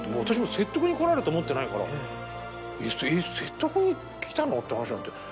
私も説得に来られると思ってないから「えっ説得に来たの？」って話になって。